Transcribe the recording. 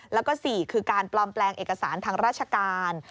แล้วก็๔คือการปลอมแปลงเอกสารทางราชการ